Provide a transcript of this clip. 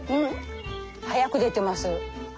早く出てます。